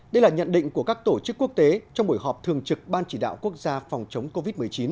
đây là nhận định của các tổ chức quốc tế trong buổi họp thường trực ban chỉ đạo quốc gia phòng chống covid một mươi chín